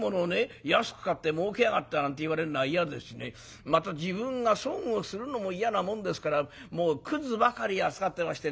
安く買って儲けやがったなんて言われるのは嫌ですしねまた自分が損をするのも嫌なもんですからもうくずばかり扱ってましてね。